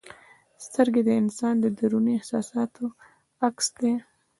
سترګې د انسان د دروني احساساتو عکس دی.